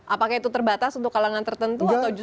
apakah itu terbatas untuk kalangan tertentu atau justru